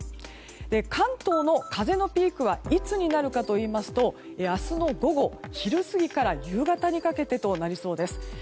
関東の風のピークはいつになるかといいますと明日の午後、昼過ぎから夕方にかけてとなりそうです。